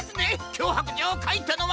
きょうはくじょうをかいたのは！